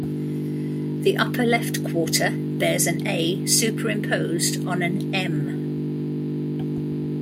The upper left quarter bears an "A" superimposed on an "M".